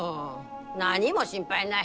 何も心配ない。